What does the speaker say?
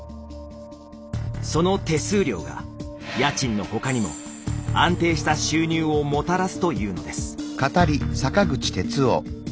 その手数料が家賃の他にも安定した収入をもたらすというのです。